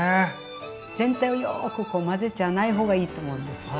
全体をよくこう混ぜちゃわない方がいいと思うんですよね。